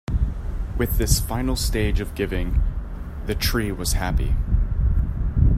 With this final stage of giving, "the Tree was happy".